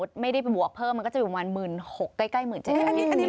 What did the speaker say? อ๋อใช่อันนั้นรู้จักหน้าค่าตากันฝากซื้อเชื่อใจได้